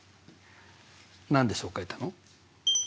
何でそう書いたの？